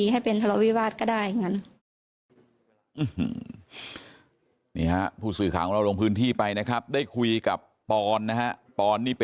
ให้เป็นธรวิวาสก็ได้